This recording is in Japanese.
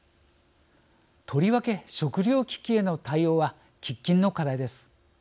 とりわけ、食料危機への対応は喫緊の課題です。